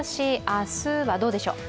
明日はどうでしょう。